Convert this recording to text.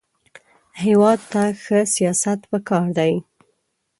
هېواد ته ښه سیاست پکار دی